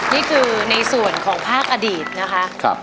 นี่คือในส่วนของภาคอดีตนะคะ